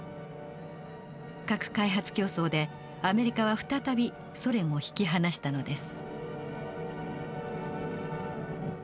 核開発競争でアメリカは再びソ連を引き離したのです。